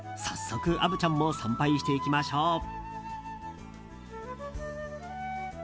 早速、虻ちゃんも参拝していきましょう。